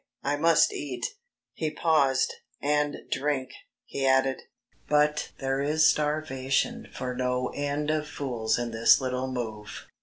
I must eat." He paused "... and drink," he added. "But there is starvation for no end of fools in this little move.